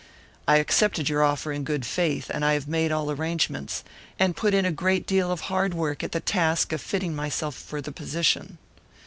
I accepted your offer in good faith; and I have made all arrangements, and put in a great deal of hard work at the task of fitting myself for the position.